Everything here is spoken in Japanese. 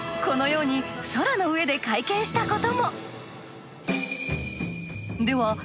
このように空の上で会見したことも。